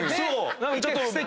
何かちょっと。